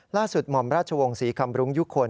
ล่าสุดหม่อมราชวงศ์ศรีคำรุงยุคคล